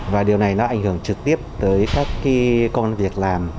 và điều này nó ảnh hưởng trực tiếp tới các công việc làm